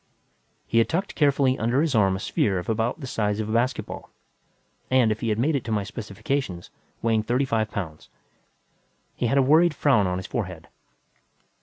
He had tucked carefully under his arm a sphere of about the size of a basketball and, if he had made it to my specifications, weighing thirty five pounds. He had a worried frown on his forehead.